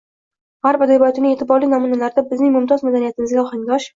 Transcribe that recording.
G‘arb adabiyotining e’tiborli namunalarida bizning mumtoz madaniyatimizga ohangdosh